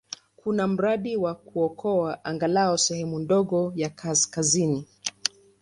Kuna mradi wa kuokoa angalau sehemu ndogo ya kaskazini.